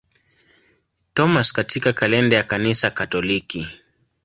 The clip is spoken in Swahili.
Thomas katika kalenda ya Kanisa Katoliki.